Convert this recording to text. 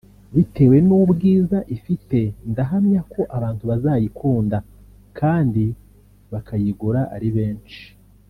bitewe n’ubwiza ifite ndahamya ko abantu bazayikunda kandi bakayigura ari benshi